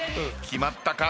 決まったか？